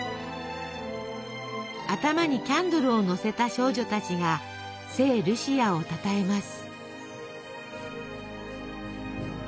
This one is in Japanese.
頭にキャンドルをのせた少女たちが聖ルシアをたたえます。